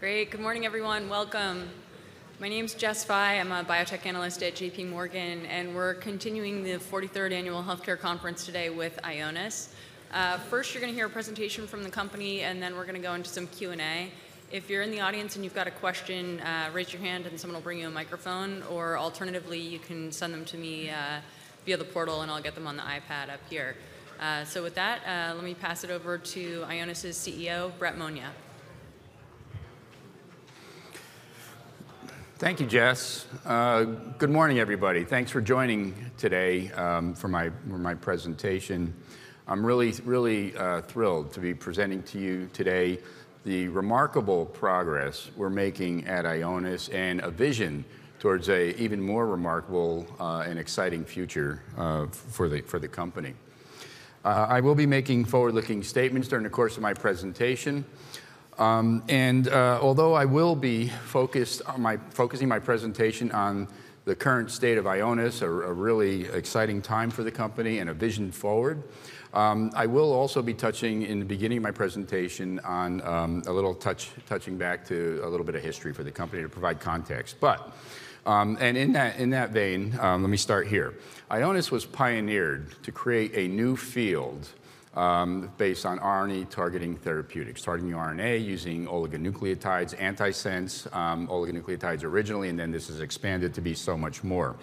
Great. Good morning, everyone. Welcome. My name's Jessica Fye. I'm a Biotech Analyst at J.P. Morgan, and we're continuing the 43rd Annual Healthcare Conference today with Ionis. First, you're going to hear a presentation from the company, and then we're going to go into some Q&A. If you're in the audience and you've got a question, raise your hand and someone will bring you a microphone. Or alternatively, you can send them to me via the portal, and I'll get them on the iPad up here. So with that, let me pass it over to Ionis' CEO, Brett Monia. Thank you, Jess. Good morning, everybody. Thanks for joining today for my presentation. I'm really, really thrilled to be presenting to you today the remarkable progress we're making at Ionis and a vision towards an even more remarkable and exciting future for the company. I will be making forward-looking statements during the course of my presentation, and although I will be focusing my presentation on the current state of Ionis, a really exciting time for the company and a vision forward, I will also be touching in the beginning of my presentation on a little touching back to a little bit of history for the company to provide context, but in that vein, let me start here. Ionis was pioneered to create a new field based on RNA-targeting therapeutics, targeting RNA using oligonucleotides, antisense oligonucleotides originally, and then this has expanded to be so much more.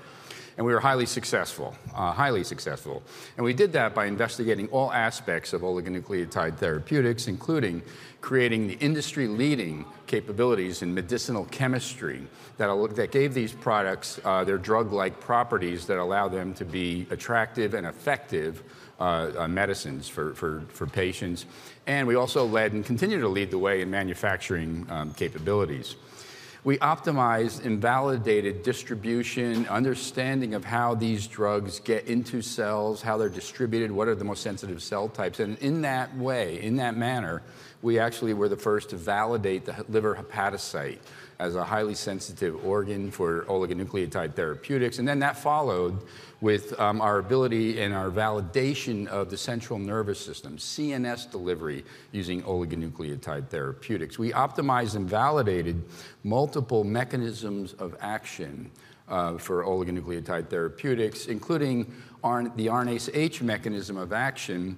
And we were highly successful, highly successful. And we did that by investigating all aspects of oligonucleotide therapeutics, including creating the industry-leading capabilities in medicinal chemistry that gave these products their drug-like properties that allow them to be attractive and effective medicines for patients. And we also led and continue to lead the way in manufacturing capabilities. We optimized and validated distribution, understanding of how these drugs get into cells, how they're distributed, what are the most sensitive cell types. And in that way, in that manner, we actually were the first to validate the liver hepatocyte as a highly sensitive organ for oligonucleotide therapeutics. And then that followed with our ability and our validation of the central nervous system, CNS delivery using oligonucleotide therapeutics. We optimized and validated multiple mechanisms of action for oligonucleotide therapeutics, including the RNase H mechanism of action,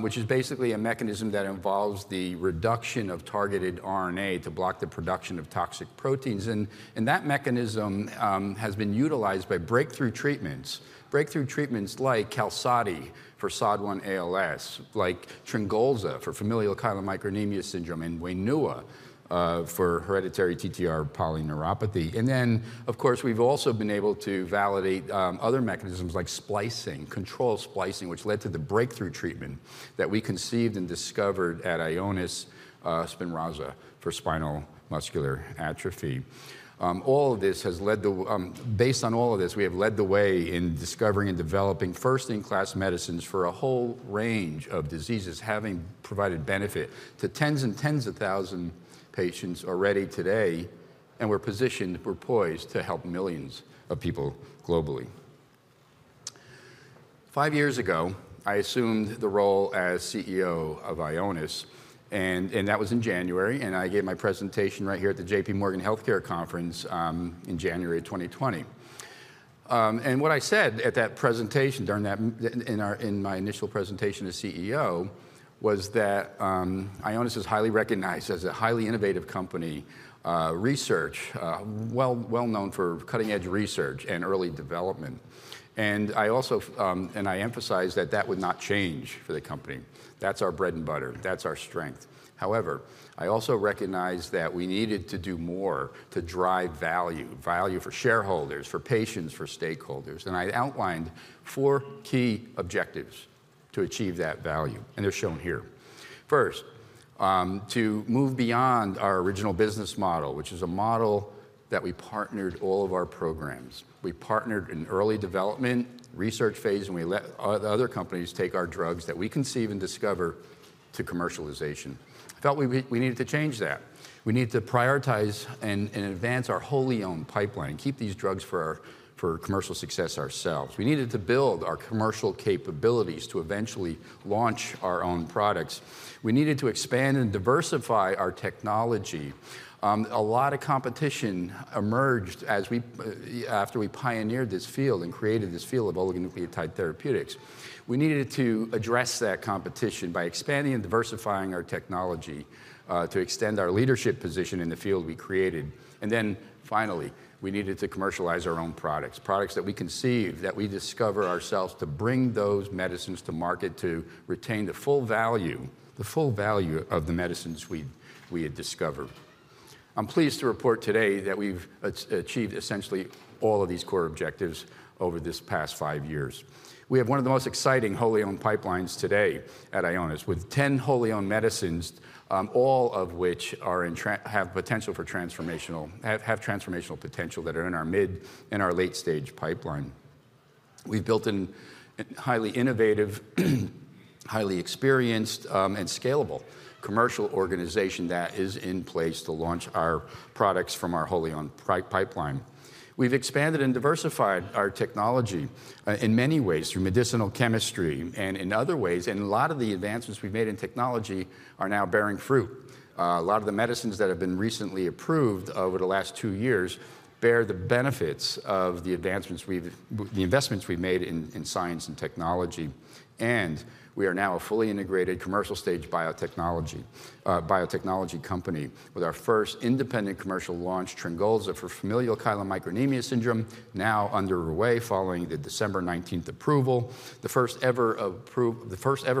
which is basically a mechanism that involves the reduction of targeted RNA to block the production of toxic proteins. That mechanism has been utilized by breakthrough treatments like Qalsody for SOD1-ALS, like Tryngolza for familial chylomicronemia syndrome, and Wainua for hereditary TTR polyneuropathy. Then, of course, we've also been able to validate other mechanisms like splicing, control splicing, which led to the breakthrough treatment that we conceived and discovered at Ionis Spinraza for spinal muscular atrophy. All of this has led to, based on all of this, we have led the way in discovering and developing first-in-class medicines for a whole range of diseases, having provided benefit to tens and tens of thousands of patients already today. We're positioned, we're poised to help millions of people globally. Five years ago, I assumed the role as CEO of Ionis, and that was in January. And I gave my presentation right here at the J.P. Morgan Healthcare Conference in January 2020. And what I said at that presentation during that, in my initial presentation as CEO, was that Ionis is highly recognized as a highly innovative company, research, well known for cutting-edge research and early development. And I also emphasized that that would not change for the company. That's our bread and butter. That's our strength. However, I also recognized that we needed to do more to drive value, value for shareholders, for patients, for stakeholders. And I outlined four key objectives to achieve that value, and they're shown here. First, to move beyond our original business model, which is a model that we partnered all of our programs. We partnered in early development, research phase, and we let other companies take our drugs that we conceive and discover to commercialization. I felt we needed to change that. We needed to prioritize and advance our wholly owned pipeline, keep these drugs for commercial success ourselves. We needed to build our commercial capabilities to eventually launch our own products. We needed to expand and diversify our technology. A lot of competition emerged after we pioneered this field and created this field of oligonucleotide therapeutics. We needed to address that competition by expanding and diversifying our technology to extend our leadership position in the field we created. And then finally, we needed to commercialize our own products, products that we conceived, that we discover ourselves to bring those medicines to market to retain the full value, the full value of the medicines we had discovered. I'm pleased to report today that we've achieved essentially all of these core objectives over this past five years. We have one of the most exciting wholly owned pipelines today at Ionis with 10 wholly owned medicines, all of which have transformational potential that are in our mid- and late-stage pipeline. We've built a highly innovative, highly experienced, and scalable commercial organization that is in place to launch our products from our wholly owned pipeline. We've expanded and diversified our technology in many ways through medicinal chemistry and in other ways, and a lot of the advancements we've made in technology are now bearing fruit. A lot of the medicines that have been recently approved over the last two years bear the benefits of the advancements, the investments we've made in science and technology. We are now a fully integrated commercial-stage biotechnology company with our first independent commercial launch, Tryngolza for familial chylomicronemia syndrome, now underway following the December 19th approval, the first ever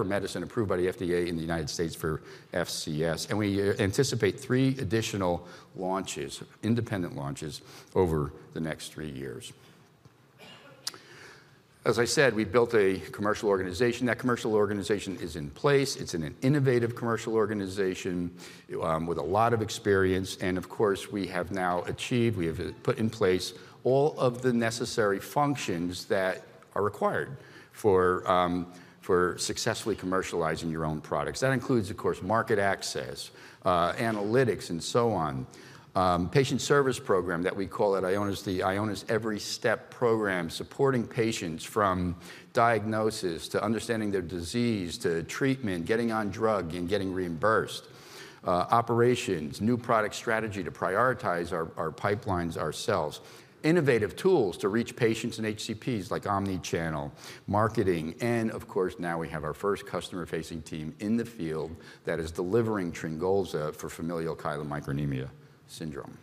medicine approved by the FDA in the United States for FCS. We anticipate three additional launches, independent launches over the next three years. As I said, we built a commercial organization. That commercial organization is in place. It is an innovative commercial organization with a lot of experience. Of course, we have now achieved. We have put in place all of the necessary functions that are required for successfully commercializing your own products. That includes, of course, market access, analytics, and so on. Patient service program that we call at Ionis, the Ionis Every Step program, supporting patients from diagnosis to understanding their disease to treatment, getting on drug and getting reimbursed, operations, new product strategy to prioritize our pipelines ourselves, innovative tools to reach patients and HCPs like omni-channel marketing. And of course, now we have our first customer-facing team in the field that is delivering Tryngolza for familial chylomicronemia syndrome.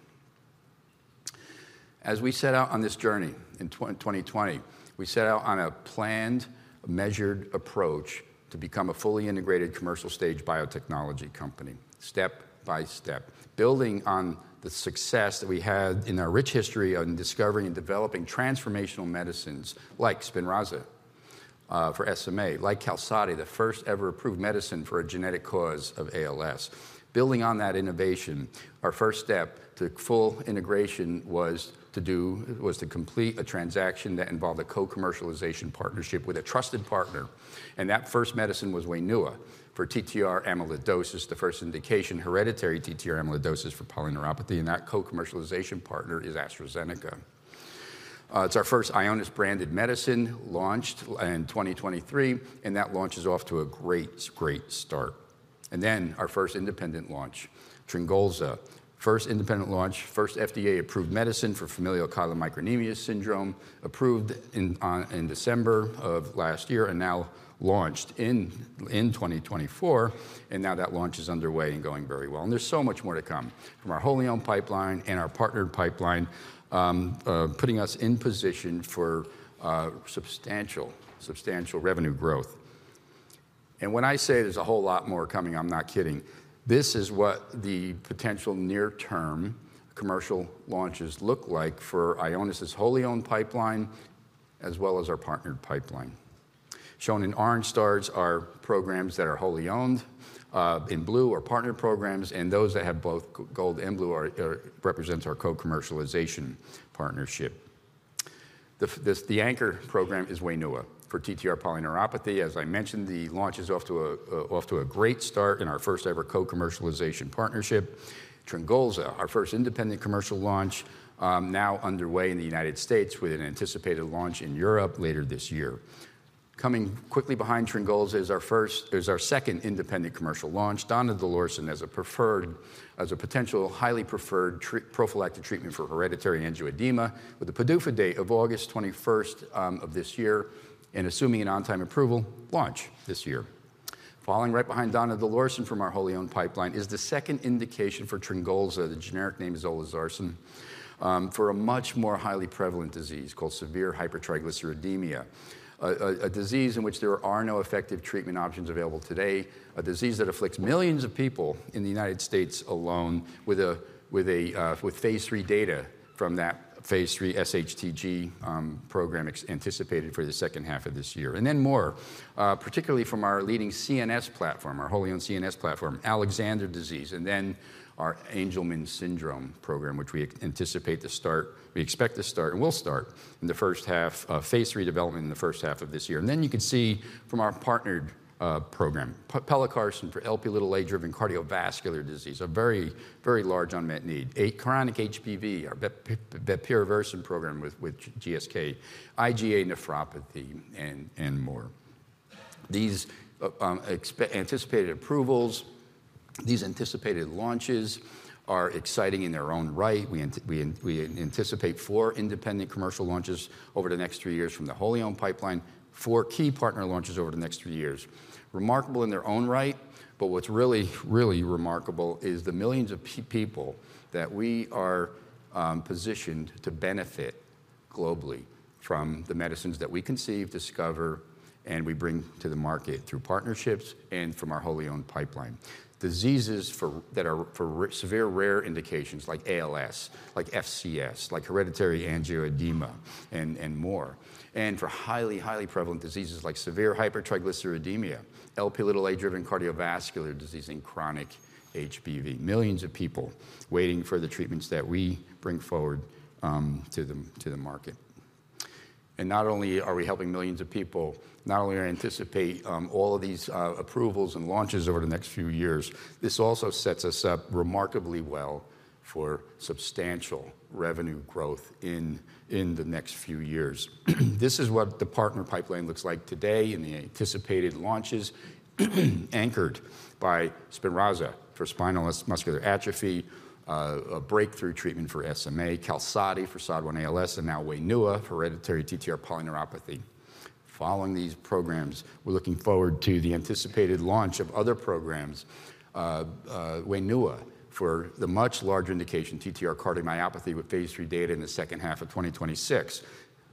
As we set out on this journey in 2020, we set out on a planned, measured approach to become a fully integrated commercial-stage biotechnology company, step by step, building on the success that we had in our rich history on discovering and developing transformational medicines like Spinraza for SMA, like Qalsody, the first ever approved medicine for a genetic cause of ALS. Building on that innovation, our first step to full integration was to complete a transaction that involved a co-commercialization partnership with a trusted partner. And that first medicine was Wainua for TTR amyloidosis, the first indication, hereditary TTR amyloidosis for polyneuropathy. And that co-commercialization partner is AstraZeneca. It's our first Ionis-branded medicine launched in 2023, and that launch is off to a great, great start. And then our first independent launch, Tryngolza, first independent launch, first FDA-approved medicine for familial chylomicronemia syndrome, approved in December of last year and now launched in 2024. And now that launch is underway and going very well. And there's so much more to come from our wholly owned pipeline and our partnered pipeline, putting us in position for substantial, substantial revenue growth. And when I say there's a whole lot more coming, I'm not kidding. This is what the potential near-term commercial launches look like for Ionis' wholly owned pipeline as well as our partnered pipeline. Shown in orange stars are programs that are wholly owned. In blue are partnered programs, and those that have both gold and blue represent our co-commercialization partnership. The anchor program is Wainua for TTR polyneuropathy. As I mentioned, the launch is off to a great start in our first ever co-commercialization partnership. Tryngolza, our first independent commercial launch, now underway in the United States with an anticipated launch in Europe later this year. Coming quickly behind Tryngolza is our second independent commercial launch, donidalorsen, as a potential highly preferred prophylactic treatment for hereditary angioedema with a PDUFA date of August 21st of this year and assuming an on-time approval launch this year. Following right behind donidalorsen from our wholly owned pipeline is the second indication for olezarsen, the generic name olezarsen, for a much more highly prevalent disease called severe hypertriglyceridemia, a disease in which there are no effective treatment options available today, a disease that afflicts millions of people in the United States alone, with phase III data from that phase III SHTG program anticipated for the second half of this year, and then more, particularly from our leading CNS platform, our wholly owned CNS platform, Alexander disease, and then our Angelman syndrome program, which we anticipate to start, we expect to start and will start in the first half of phase III development in the first half of this year. And then you can see from our partnered program, pelacarsen for Lp(a)-driven cardiovascular disease, a very, very large unmet need, chronic HBV, our bepirovirsen program with GSK, IgA nephropathy, and more. These anticipated approvals, these anticipated launches are exciting in their own right. We anticipate four independent commercial launches over the next three years from the wholly owned pipeline, four key partner launches over the next three years. Remarkable in their own right, but what's really, really remarkable is the millions of people that we are positioned to benefit globally from the medicines that we conceive, discover, and we bring to the market through partnerships and from our wholly owned pipeline. Diseases that are for severe rare indications like ALS, like FCS, like hereditary angioedema and more, and for highly, highly prevalent diseases like severe hypertriglyceridemia, Lp(a)-driven cardiovascular disease and chronic hep B, millions of people waiting for the treatments that we bring forward to the market. And not only are we helping millions of people, not only anticipate all of these approvals and launches over the next few years, this also sets us up remarkably well for substantial revenue growth in the next few years. This is what the partner pipeline looks like today in the anticipated launches anchored by Spinraza for spinal muscular atrophy, a breakthrough treatment for SMA, Qalsody for SOD1-ALS, and now Wainua for hereditary TTR polyneuropathy. Following these programs, we're looking forward to the anticipated launch of other programs, Wainua for the much larger indication TTR cardiomyopathy with phase III data in the second half of 2026,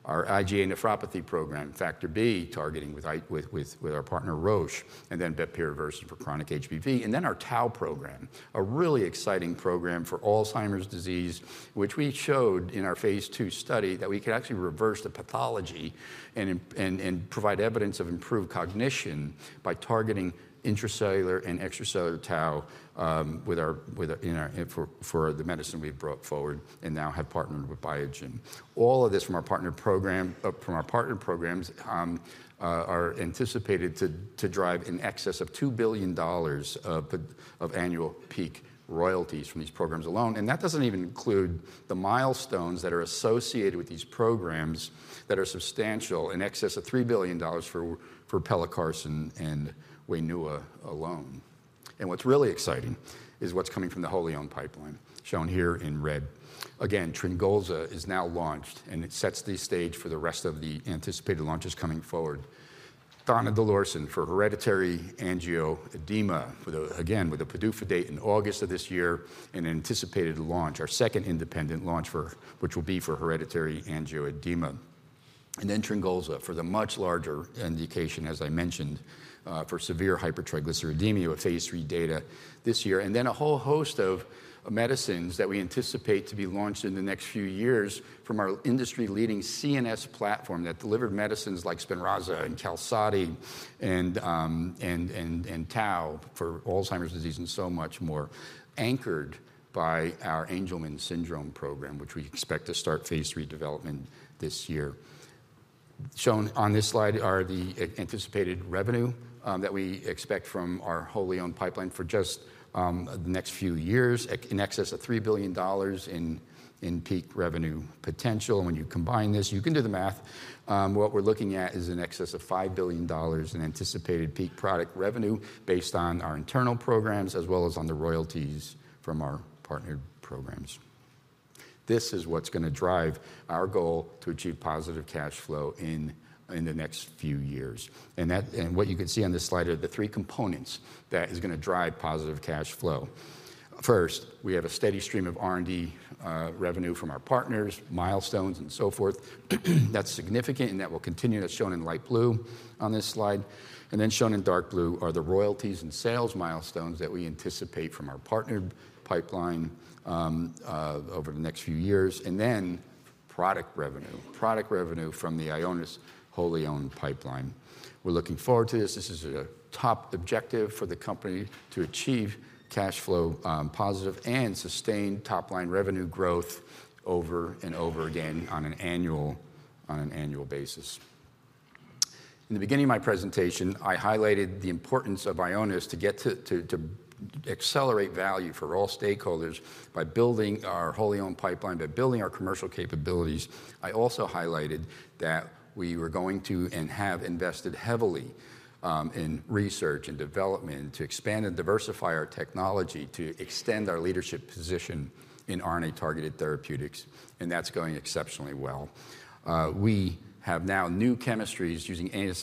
our IgA nephropathy program, Factor B targeting with our partner Roche, and then bepirovirsen for chronic hep B, and then our tau program, a really exciting program for Alzheimer's disease, which we showed in our phase II study that we could actually reverse the pathology and provide evidence of improved cognition by targeting intracellular and extracellular tau with our, in our, for the medicine we've brought forward and now have partnered with Biogen. All of this from our partner program, from our partner programs are anticipated to drive in excess of $2 billion of annual peak royalties from these programs alone. And that doesn't even include the milestones that are associated with these programs that are substantial in excess of $3 billion for pelacarsen and Wainua alone. And what's really exciting is what's coming from the wholly owned pipeline shown here in red. Again, Tryngolza is now launched and it sets the stage for the rest of the anticipated launches coming forward. Donidalorsen for hereditary angioedema, again with a PDUFA date in August of this year and anticipated launch, our second independent launch for which will be for hereditary angioedema. And then Tryngolza for the much larger indication, as I mentioned, for severe hypertriglyceridemia with phase III data this year. And then a whole host of medicines that we anticipate to be launched in the next few years from our industry-leading CNS platform that delivered medicines like Spinraza and Qalsody and tau for Alzheimer's disease and so much more anchored by our Angelman syndrome program, which we expect to start phase III development this year. Shown on this slide are the anticipated revenue that we expect from our wholly owned pipeline for just the next few years in excess of $3 billion in peak revenue potential. And when you combine this, you can do the math. What we're looking at is in excess of $5 billion in anticipated peak product revenue based on our internal programs as well as on the royalties from our partnered programs. This is what's going to drive our goal to achieve positive cash flow in the next few years. What you can see on this slide are the three components that is going to drive positive cash flow. First, we have a steady stream of R&D revenue from our partners, milestones and so forth. That's significant and that will continue, that's shown in light blue on this slide. And then shown in dark blue are the royalties and sales milestones that we anticipate from our partner pipeline over the next few years. And then product revenue, product revenue from the Ionis wholly owned pipeline. We're looking forward to this. This is a top objective for the company to achieve cash flow positive and sustained top-line revenue growth over and over again on an annual basis. In the beginning of my presentation, I highlighted the importance of Ionis to get to accelerate value for all stakeholders by building our wholly owned pipeline, by building our commercial capabilities. I also highlighted that we were going to and have invested heavily in research and development to expand and diversify our technology to extend our leadership position in RNA targeted therapeutics, and that's going exceptionally well. We have now new chemistries using antisense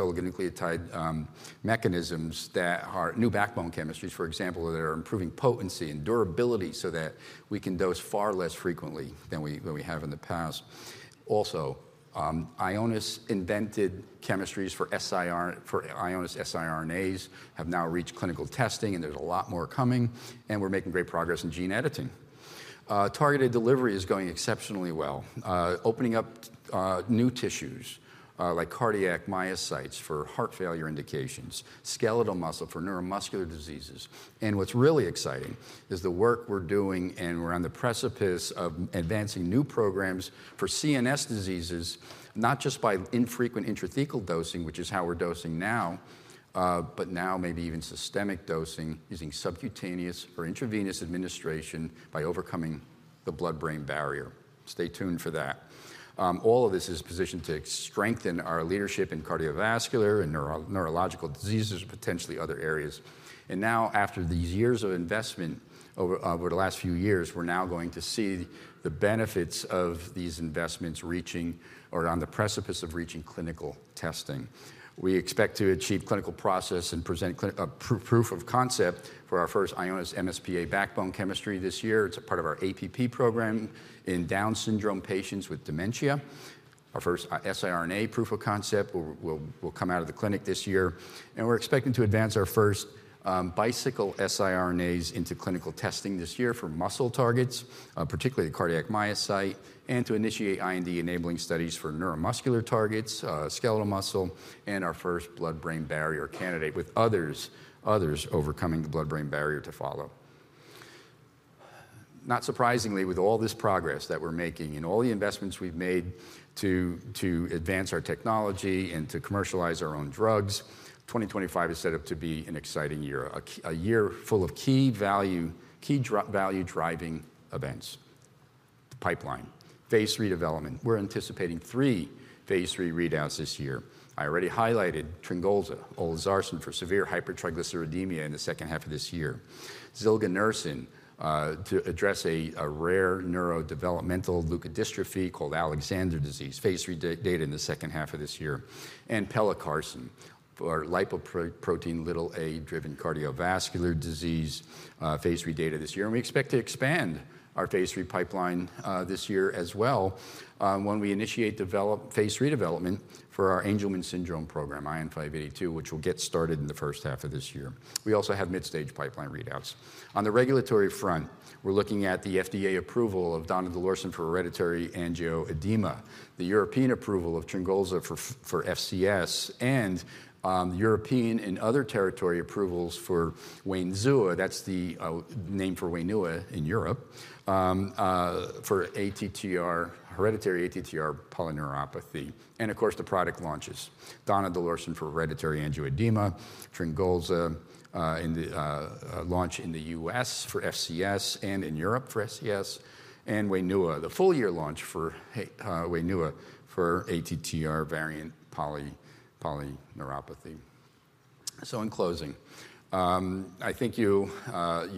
oligonucleotide mechanisms that are new backbone chemistries, for example, that are improving potency and durability so that we can dose far less frequently than we have in the past. Also, Ionis invented chemistries for Ionis siRNAs have now reached clinical testing and there's a lot more coming, and we're making great progress in gene editing. Targeted delivery is going exceptionally well, opening up new tissues like cardiac myocytes for heart failure indications, skeletal muscle for neuromuscular diseases. What's really exciting is the work we're doing, and we're on the precipice of advancing new programs for CNS diseases, not just by infrequent intrathecal dosing, which is how we're dosing now, but now maybe even systemic dosing using subcutaneous or intravenous administration by overcoming the blood-brain barrier. Stay tuned for that. All of this is positioned to strengthen our leadership in cardiovascular and neurological diseases and potentially other areas. Now, after these years of investment over the last few years, we're now going to see the benefits of these investments reaching or on the precipice of reaching clinical testing. We expect to achieve clinical process and present proof of concept for our first Ionis MsPA backbone chemistry this year. It's a part of our APP program in Down syndrome patients with dementia. Our first siRNA proof of concept will come out of the clinic this year. And we're expecting to advance our first Bicycle siRNAs into clinical testing this year for muscle targets, particularly cardiac myocyte, and to initiate IND enabling studies for neuromuscular targets, skeletal muscle, and our first blood-brain barrier candidate with others overcoming the blood-brain barrier to follow. Not surprisingly, with all this progress that we're making and all the investments we've made to advance our technology and to commercialize our own drugs, 2025 is set up to be an exciting year, a year full of key value, key value-driving events. Pipeline, phase III development. We're anticipating three phase III readouts this year. I already highlighted Tryngolza for severe hypertriglyceridemia in the second half of this year, zilganersen to address a rare neurodevelopmental leukodystrophy called Alexander disease, phase III data in the second half of this year, and pelacarsen for Lp(a)-driven cardiovascular disease, phase III data this year. We expect to expand our phase III pipeline this year as well when we initiate phase III development for our Angelman syndrome program, ION582, which will get started in the first half of this year. We also have mid-stage pipeline readouts. On the regulatory front, we're looking at the FDA approval of donidalorsen for hereditary angioedema, the European approval of Tryngolza for FCS, and European and other territory approvals for Wainua. That's the name for Wainua in Europe for hereditary ATTR polyneuropathy. Of course, the product launches, donidalorsen for hereditary angioedema, Tryngolza launch in the U.S. for FCS and in Europe for FCS, and Wainua the full year launch for Wainua for ATTR variant polyneuropathy. So in closing, I think you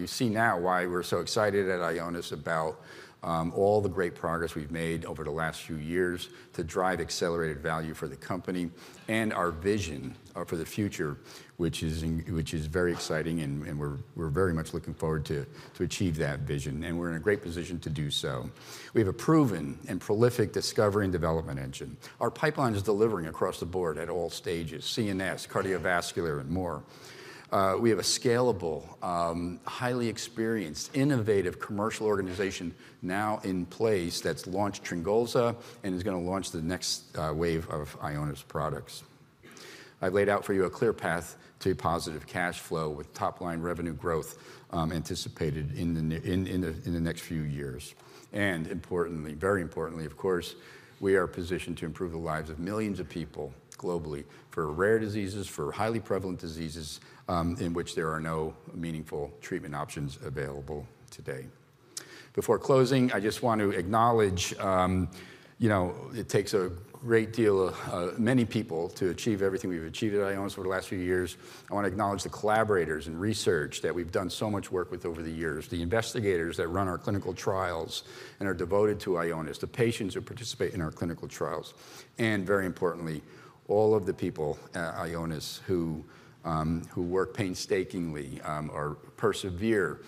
see now why we're so excited at Ionis about all the great progress we've made over the last few years to drive accelerated value for the company and our vision for the future, which is very exciting. And we're very much looking forward to achieve that vision. And we're in a great position to do so. We have a proven and prolific discovery and development engine. Our pipeline is delivering across the board at all stages, CNS, cardiovascular, and more. We have a scalable, highly experienced, innovative commercial organization now in place that's launched Tryngolza and is going to launch the next wave of Ionis products. I've laid out for you a clear path to positive cash flow with top-line revenue growth anticipated in the next few years. And importantly, very importantly, of course, we are positioned to improve the lives of millions of people globally for rare diseases, for highly prevalent diseases in which there are no meaningful treatment options available today. Before closing, I just want to acknowledge it takes a great deal of many people to achieve everything we've achieved at Ionis over the last few years. I want to acknowledge the collaborators and research that we've done so much work with over the years, the investigators that run our clinical trials and are devoted to Ionis, the patients who participate in our clinical trials, and very importantly, all of the people at Ionis who work painstakingly or persevere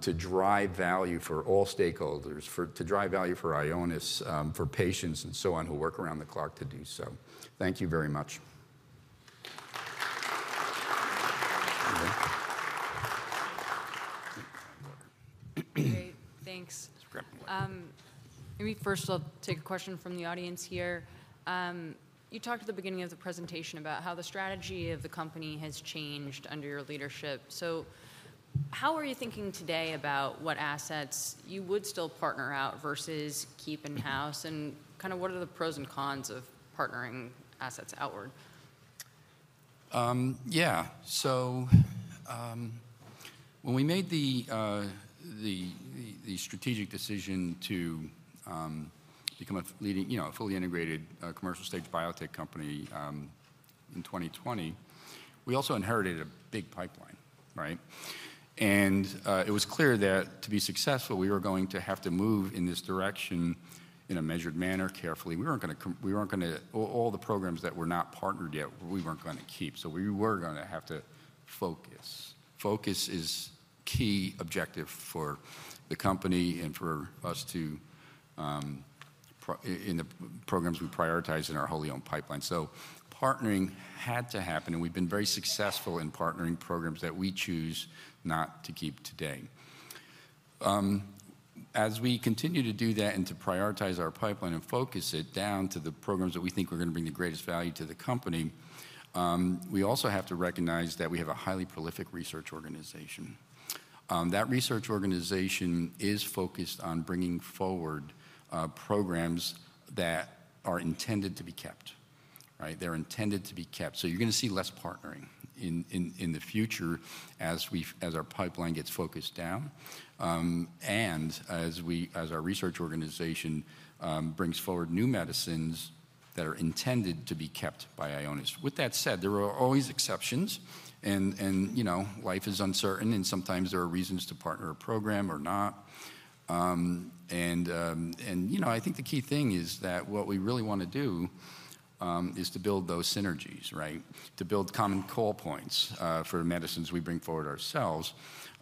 to drive value for all stakeholders, to drive value for Ionis, for patients and so on who work around the clock to do so. Thank you very much. Great. Thanks. Maybe first I'll take a question from the audience here. You talked at the beginning of the presentation about how the strategy of the company has changed under your leadership. So how are you thinking today about what assets you would still partner out versus keep in-house? And kind of what are the pros and cons of partnering assets outward? Yeah. So when we made the strategic decision to become a fully integrated commercial stage biotech company in 2020, we also inherited a big pipeline, right? And it was clear that to be successful, we were going to have to move in this direction in a measured manner, carefully. We weren't going to, all the programs that were not partnered yet, we weren't going to keep. So we were going to have to focus. Focus is a key objective for the company and for us to in the programs we prioritize in our wholly owned pipeline. So partnering had to happen. And we've been very successful in partnering programs that we choose not to keep today. As we continue to do that and to prioritize our pipeline and focus it down to the programs that we think we're going to bring the greatest value to the company, we also have to recognize that we have a highly prolific research organization. That research organization is focused on bringing forward programs that are intended to be kept, right? They're intended to be kept. So you're going to see less partnering in the future as our pipeline gets focused down and as our research organization brings forward new medicines that are intended to be kept by Ionis. With that said, there are always exceptions and life is uncertain. And sometimes there are reasons to partner a program or not. And I think the key thing is that what we really want to do is to build those synergies, right? To build common call points for medicines we bring forward ourselves.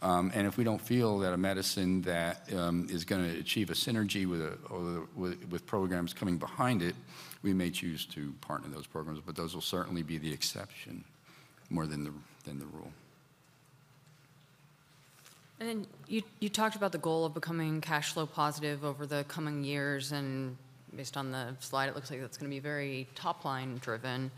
And if we don't feel that a medicine that is going to achieve a synergy with programs coming behind it, we may choose to partner those programs. But those will certainly be the exception more than the rule. And then you talked about the goal of becoming cash flow positive over the coming years. And based on the slide, it looks like that's going to be very top-line driven.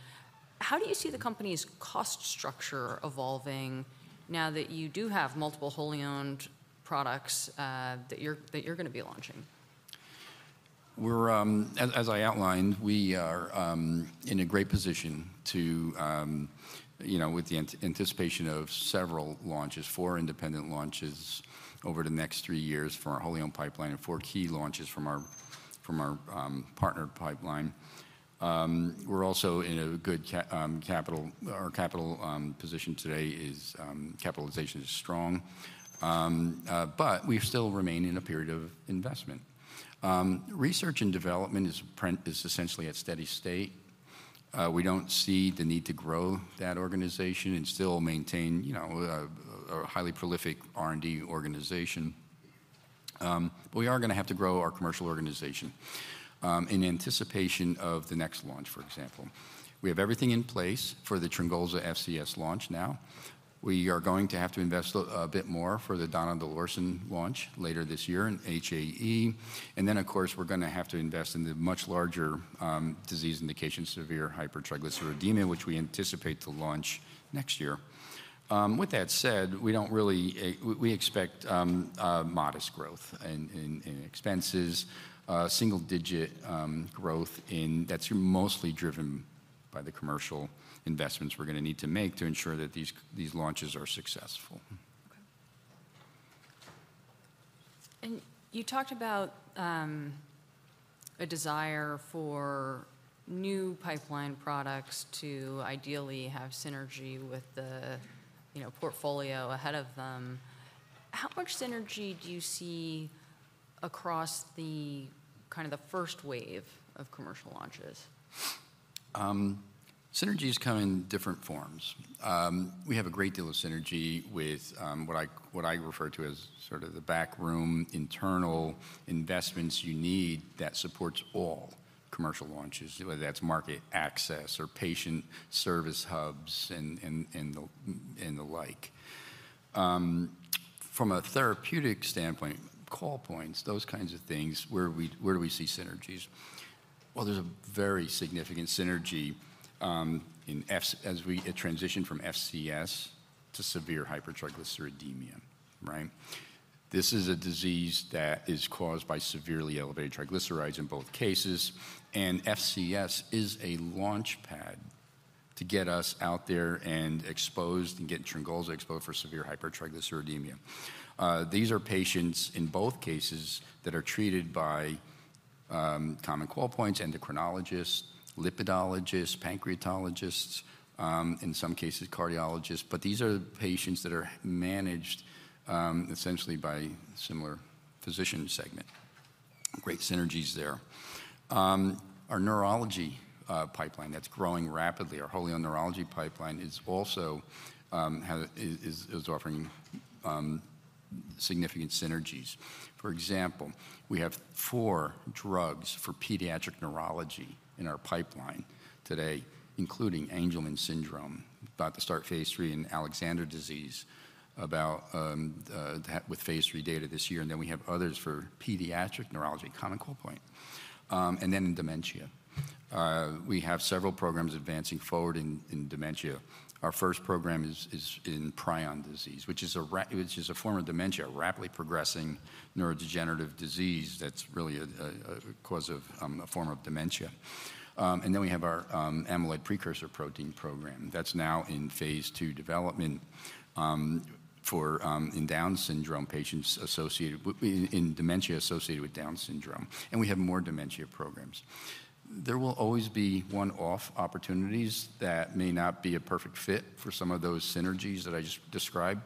How do you see the company's cost structure evolving now that you do have multiple wholly owned products that you're going to be launching? As I outlined, we are in a great position with the anticipation of several launches, four independent launches over the next three years for our wholly owned pipeline and four key launches from our partnered pipeline. We're also in a good capital position. Our capital position today is strong. But we still remain in a period of investment. Research and development is essentially at steady state. We don't see the need to grow that organization and still maintain a highly prolific R&D organization. But we are going to have to grow our commercial organization in anticipation of the next launch, for example. We have everything in place for the Tryngolza FCS launch now. We are going to have to invest a bit more for the donidalorsen launch later this year in HAE. Then, of course, we're going to have to invest in the much larger disease indication, severe hypertriglyceridemia, which we anticipate to launch next year. With that said, we don't really, we expect modest growth in expenses, single-digit growth. That's mostly driven by the commercial investments we're going to need to make to ensure that these launches are successful. You talked about a desire for new pipeline products to ideally have synergy with the portfolio ahead of them. How much synergy do you see across the kind of the first wave of commercial launches? Synergy is coming in different forms. We have a great deal of synergy with what I refer to as sort of the backroom internal investments you need that supports all commercial launches, whether that's market access or patient service hubs and the like. From a therapeutic standpoint, call points, those kinds of things, where do we see synergies? Well, there's a very significant synergy as we transition from FCS to severe hypertriglyceridemia, right? This is a disease that is caused by severely elevated triglycerides in both cases. And FCS is a launchpad to get us out there and exposed and get Tryngolza exposed for severe hypertriglyceridemia. These are patients in both cases that are treated by common call points, endocrinologists, lipidologists, pancreatologists, in some cases cardiologists. But these are patients that are managed essentially by a similar physician segment. Great synergies there. Our neurology pipeline that's growing rapidly, our wholly owned neurology pipeline is also offering significant synergies. For example, we have four drugs for pediatric neurology in our pipeline today, including Angelman syndrome, about to start phase III in Alexander disease with phase III data this year. And then we have others for pediatric neurology, common call point, and then in dementia. We have several programs advancing forward in dementia. Our first program is in prion disease, which is a form of dementia, a rapidly progressing neurodegenerative disease that's really a cause of a form of dementia. And then we have our amyloid precursor protein program that's now in phase II development for in dementia associated with Down syndrome. And we have more dementia programs. There will always be one-off opportunities that may not be a perfect fit for some of those synergies that I just described.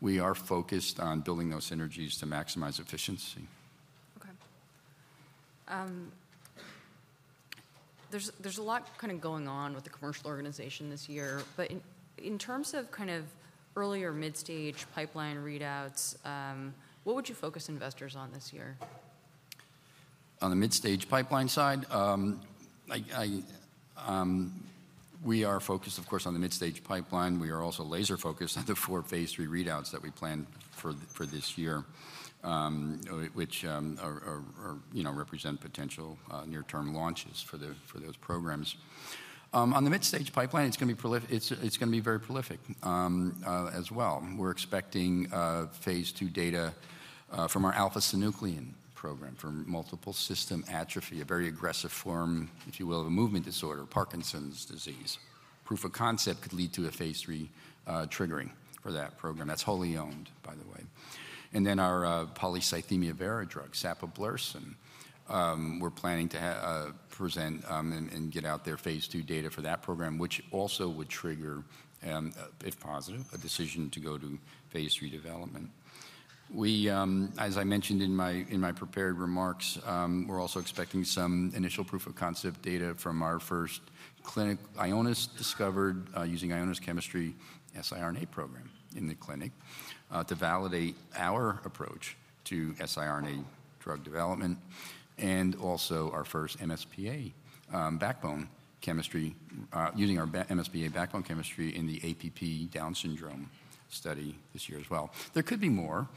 We are focused on building those synergies to maximize efficiency. Okay. There's a lot kind of going on with the commercial organization this year. But in terms of kind of earlier mid-stage pipeline readouts, what would you focus investors on this year? On the mid-stage pipeline side, we are focused, of course, on the mid-stage pipeline. We are also laser focused on the four phase III readouts that we plan for this year, which represent potential near-term launches for those programs. On the mid-stage pipeline, it's going to be very prolific as well. We're expecting phase II data from our alpha-synuclein program for multiple system atrophy, a very aggressive form, if you will, of a movement disorder, Parkinson's disease. Proof of concept could lead to a phase III triggering for that program. That's wholly owned, by the way. And then our polycythemia vera drug, sapablursen, we're planning to present and get out there phase II data for that program, which also would trigger, if positive, a decision to go to phase III development. As I mentioned in my prepared remarks, we're also expecting some initial proof of concept data from our first clinical Ionis-discovered using Ionis chemistry siRNA program in the clinic to validate our approach to siRNA drug development and also our first MsPA backbone chemistry in the APP Down syndrome study this year as well. There could be more.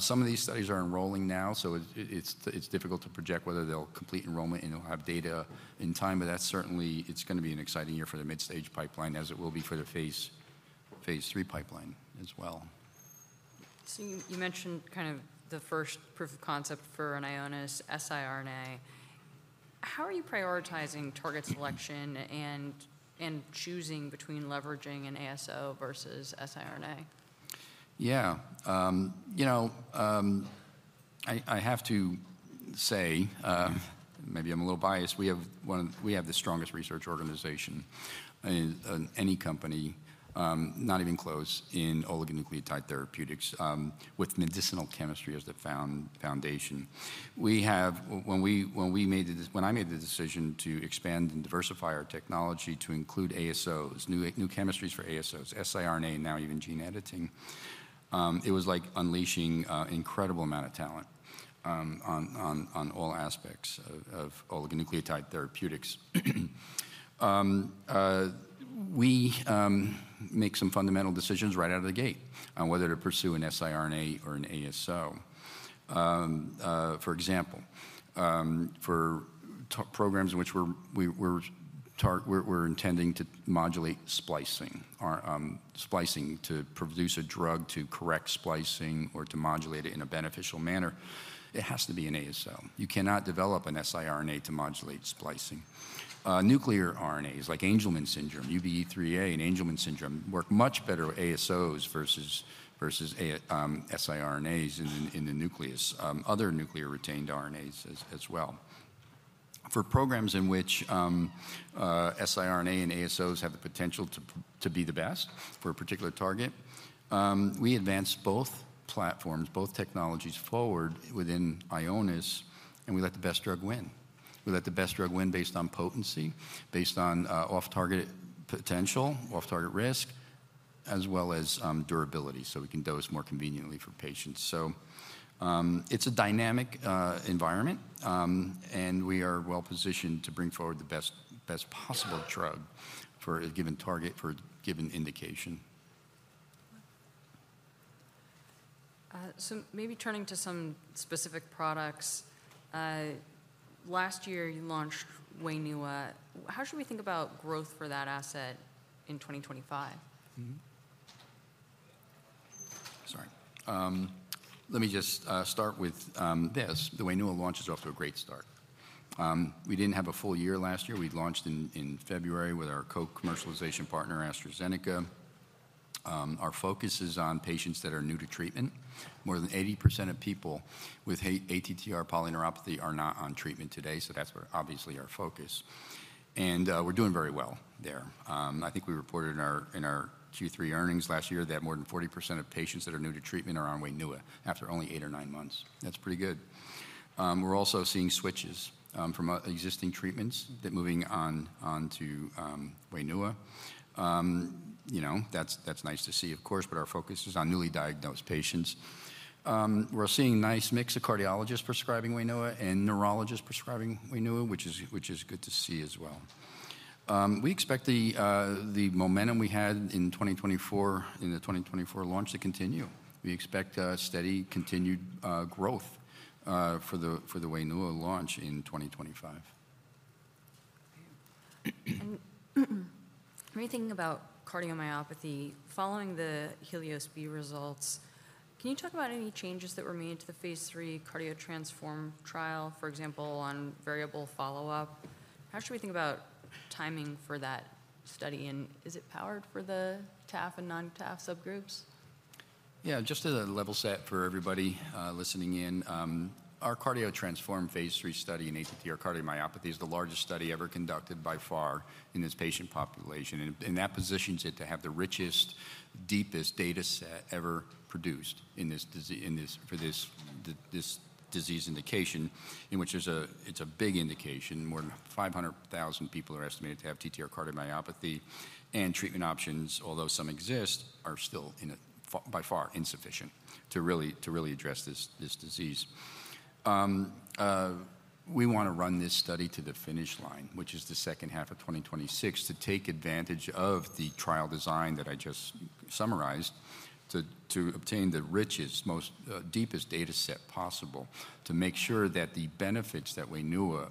Some of these studies are enrolling now. So it's difficult to project whether they'll complete enrollment and we'll have data in time. But that's certainly, it's going to be an exciting year for the mid-stage pipeline as it will be for the phase III pipeline as well. So you mentioned kind of the first proof of concept for an Ionis siRNA. How are you prioritizing target selection and choosing between leveraging an ASO versus siRNA? Yeah. I have to say, maybe I'm a little biased. We have the strongest research organization in any company, not even close in oligonucleotide therapeutics with medicinal chemistry as the foundation. When I made the decision to expand and diversify our technology to include ASOs, new chemistries for ASOs, siRNA, now even gene editing, it was like unleashing an incredible amount of talent on all aspects of oligonucleotide therapeutics. We make some fundamental decisions right out of the gate on whether to pursue a siRNA or an ASO, for example, for programs in which we're intending to modulate splicing, splicing to produce a drug to correct splicing or to modulate it in a beneficial manner. It has to be an ASO. You cannot develop a siRNA to modulate splicing. Nuclear RNAs like Angelman syndrome, UBE3A and Angelman syndrome work much better with ASOs versus siRNAs in the nucleus, other nuclear retained RNAs as well. For programs in which siRNA and ASOs have the potential to be the best for a particular target, we advance both platforms, both technologies forward within Ionis, and we let the best drug win. We let the best drug win based on potency, based on off-target potential, off-target risk, as well as durability so we can dose more conveniently for patients, so it's a dynamic environment, and we are well positioned to bring forward the best possible drug for a given target for a given indication. So maybe turning to some specific products. Last year, you launched Wainua. How should we think about growth for that asset in 2025? Sorry. Let me just start with this. The Wainua launch is off to a great start. We didn't have a full year last year. We launched in February with our co-commercialization partner, AstraZeneca. Our focus is on patients that are new to treatment. More than 80% of people with ATTR polyneuropathy are not on treatment today. So that's obviously our focus, and we're doing very well there. I think we reported in our Q3 earnings last year that more than 40% of patients that are new to treatment are on Wainua after only eight or nine months. That's pretty good. We're also seeing switches from existing treatments that are moving on to Wainua. That's nice to see, of course, but our focus is on newly diagnosed patients. We're seeing a nice mix of cardiologists prescribing Wainua and neurologists prescribing Wainua, which is good to see as well. We expect the momentum we had in the 2024 launch to continue. We expect steady continued growth for the Wainua launch in 2025. When you're thinking about cardiomyopathy, following the HELIOS-B results, can you talk about any changes that were made to the phase III CARDIO-TTRansform trial, for example, on variable follow-up? How should we think about timing for that study? And is it powered for the TAF and non-TAF subgroups? Yeah. Just as a level set for everybody listening in, our CARDIO-TTRansform phase III study in ATTR cardiomyopathy is the largest study ever conducted by far in this patient population. And that positions it to have the richest, deepest data set ever produced for this disease indication, in which it's a big indication. More than 500,000 people are estimated to have TTR cardiomyopathy. And treatment options, although some exist, are still by far insufficient to really address this disease. We want to run this study to the finish line, which is the second half of 2026, to take advantage of the trial design that I just summarized to obtain the richest, most deepest data set possible to make sure that the benefits that Wainua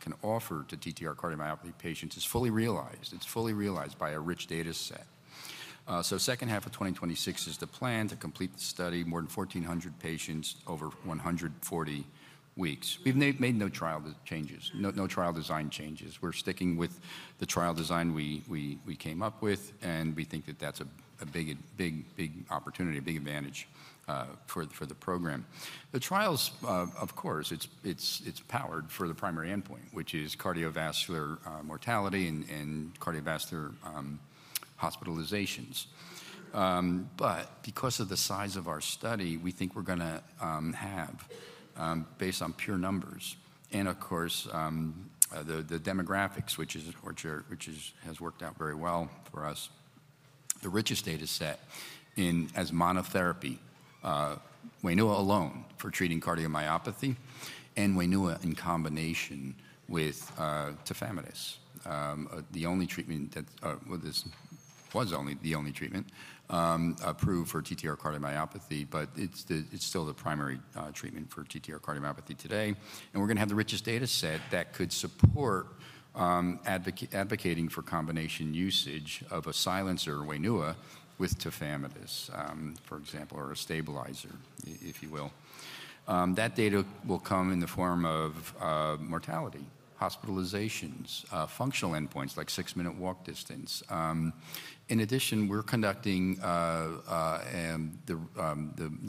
can offer to TTR cardiomyopathy patients is fully realized. It's fully realized by a rich data set. The second half of 2026 is the plan to complete the study, more than 1,400 patients over 140 weeks. We've made no trial changes, no trial design changes. We're sticking with the trial design we came up with. We think that that's a big, big opportunity, a big advantage for the program. The trials, of course, it's powered for the primary endpoint, which is cardiovascular mortality and cardiovascular hospitalizations. But because of the size of our study, we think we're going to have, based on pure numbers and, of course, the demographics, which has worked out very well for us, the richest data set as monotherapy, Wainua alone for treating cardiomyopathy and Wainua in combination with tafamidis, the only treatment approved for TTR cardiomyopathy. But it's still the primary treatment for TTR cardiomyopathy today. We're going to have the richest data set that could support advocating for combination usage of a silencer or Wainua with tafamidis, for example, or a stabilizer, if you will. That data will come in the form of mortality, hospitalizations, functional endpoints like six-minute walk distance. In addition, we're conducting the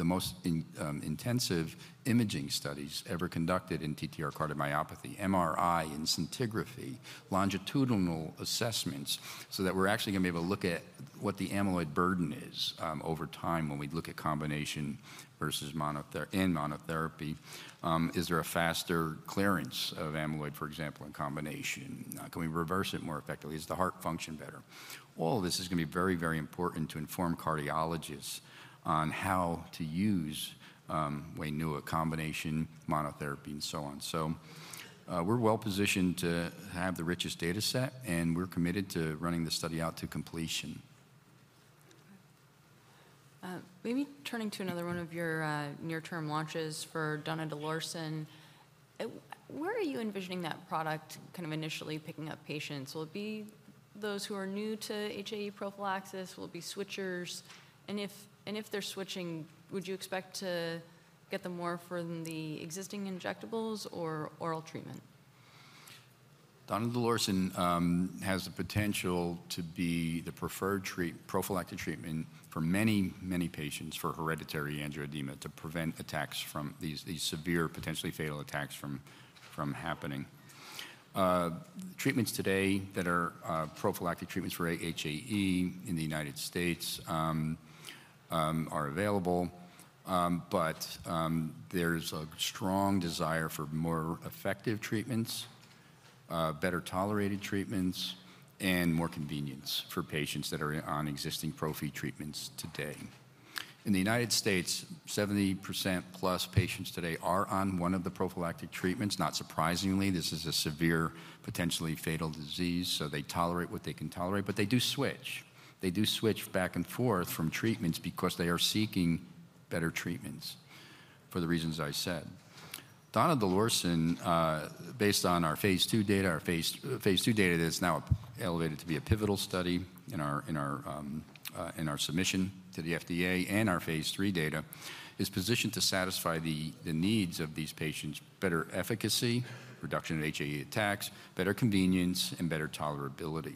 most intensive imaging studies ever conducted in TTR cardiomyopathy, MRI and scintigraphy, longitudinal assessments so that we're actually going to be able to look at what the amyloid burden is over time when we look at combination versus monotherapy. Is there a faster clearance of amyloid, for example, in combination? Can we reverse it more effectively? Is the heart function better? All of this is going to be very, very important to inform cardiologists on how to use Wainua, combination, monotherapy, and so on. So we're well positioned to have the richest data set. We're committed to running the study out to completion. Maybe turning to another one of your near-term launches for donidalorsen. Where are you envisioning that product kind of initially picking up patients? Will it be those who are new to HAE prophylaxis? Will it be switchers? And if they're switching, would you expect to get them more from the existing injectables or oral treatment? Donidalorsen has the potential to be the preferred prophylactic treatment for many, many patients for hereditary angioedema to prevent attacks from these severe, potentially fatal attacks from happening. Treatments today that are prophylactic treatments for HAE in the United States are available. But there's a strong desire for more effective treatments, better tolerated treatments, and more convenience for patients that are on existing Prophy treatments today. In the United States, 70% plus patients today are on one of the prophylactic treatments. Not surprisingly, this is a severe, potentially fatal disease. So they tolerate what they can tolerate. But they do switch. They do switch back and forth from treatments because they are seeking better treatments for the reasons I said. Donidalorsen, based on our phase II data, our phase II data that is now elevated to be a pivotal study in our submission to the FDA and our phase III data, is positioned to satisfy the needs of these patients: better efficacy, reduction of HAE attacks, better convenience, and better tolerability.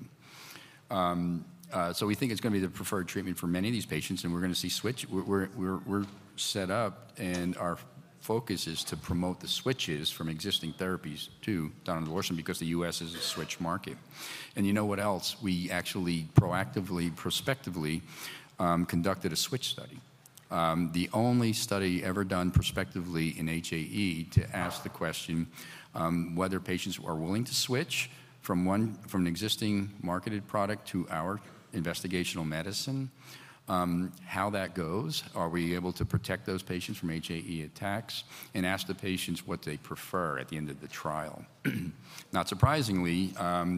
So we think it's going to be the preferred treatment for many of these patients. And we're going to see switch. We're set up. And our focus is to promote the switches from existing therapies to donidalorsen because the U.S. is a switch market. And you know what else? We actually proactively, prospectively conducted a switch study, the only study ever done prospectively in HAE to ask the question whether patients are willing to switch from an existing marketed product to our investigational medicine, how that goes, are we able to protect those patients from HAE attacks, and ask the patients what they prefer at the end of the trial. Not surprisingly,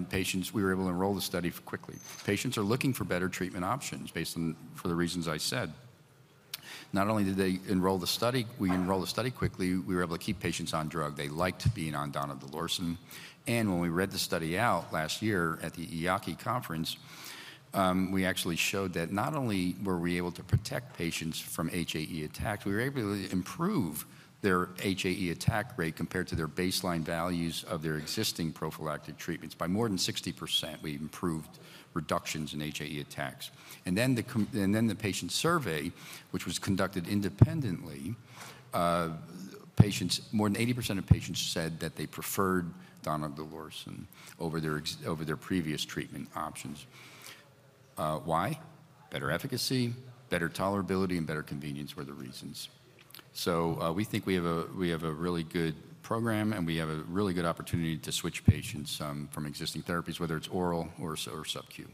patients, we were able to enroll the study quickly. Patients are looking for better treatment options based on the reasons I said. Not only did they enroll the study, we enrolled the study quickly. We were able to keep patients on drug. They liked being on donidalorsen. And when we read the study out last year at the EAACI conference, we actually showed that not only were we able to protect patients from HAE attacks, we were able to improve their HAE attack rate compared to their baseline values of their existing prophylactic treatments by more than 60%. We improved reductions in HAE attacks. And then the patient survey, which was conducted independently, more than 80% of patients said that they preferred donidalorsen over their previous treatment options. Why? Better efficacy, better tolerability, and better convenience were the reasons. So we think we have a really good program. And we have a really good opportunity to switch patients from existing therapies, whether it's oral or subQ.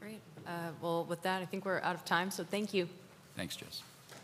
Great. Well, with that, I think we're out of time. So thank you. Thanks, Jess.